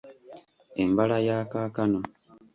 Embala ya kaakano